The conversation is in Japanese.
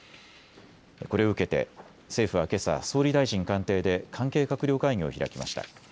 これを受けて政府はけさ総理大臣官邸で関係閣僚会議を開きました。